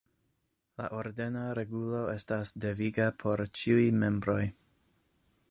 La ordena regulo estas deviga por ĉiuj membroj.